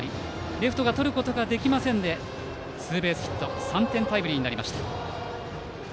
レフトがとることができませんでツーベースヒット３点タイムリーになりました。